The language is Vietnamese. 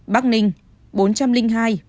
bắc ninh bốn trăm linh hai